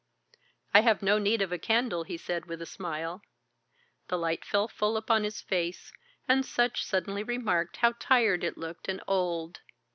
"I have no need of a candle," he said with a smile. The light fell full upon his face, and Sutch suddenly remarked how tired it looked and old.